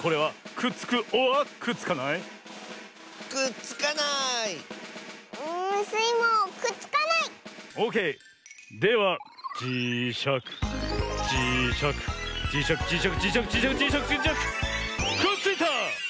くっついた！